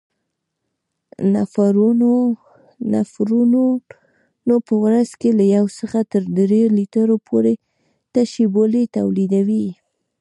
نفرونونه په ورځ کې له یو څخه تر دریو لیترو پورې تشې بولې تولیدوي.